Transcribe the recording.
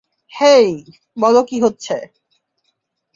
হেই, বলো কী হচ্ছে।